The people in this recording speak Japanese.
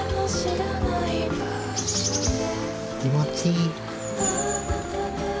気持ちいい。